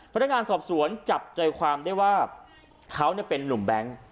พนักงานสอบสวนจับใจความได้ว่าเขาเป็นนุ่มแบงค์